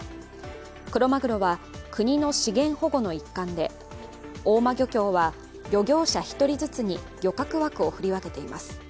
クロマグロは国の資源保護の一環で大間漁協は漁業者１人ずつに漁獲枠を振り分けています。